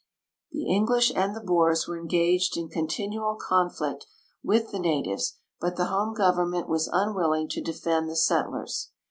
Tlie English and the Boers were engaged in continual conflict with the natives, hut the home government was unwilling to defend the settlers.